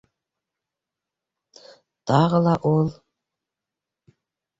Тағы ла ул...